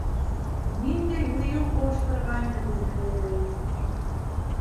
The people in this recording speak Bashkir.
Ниндәй һөйөү ҡауыштырғайны беҙҙе!